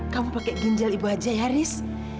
kamu masih punya harapan riz